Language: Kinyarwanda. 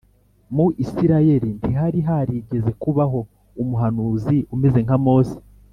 muri isirayeli ntihari harigeze kubaho umuhanuzi umeze nka mose,+